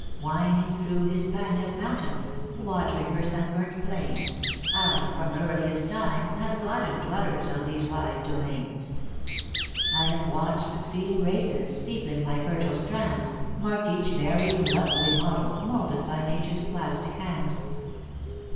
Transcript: Winding through Hispania s mountains, Watering her sunburnt plains, I, from earliest time, have gladdened Dwellers on these wide domains. I have watched succeeding races, Peopling my fertile strand, THE ACTRESS IN HIGH LIFE. 311 Marked each varying lovely model, Moulded by Nature s plastic hand.